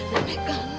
nenek kangen put